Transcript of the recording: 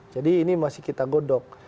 jadi ini masih kita godok